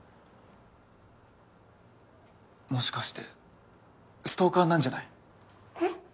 もしかしてストーカーなんじゃない？え？